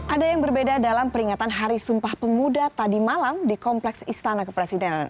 ada yang berbeda dalam peringatan hari sumpah pemuda tadi malam di kompleks istana kepresidenan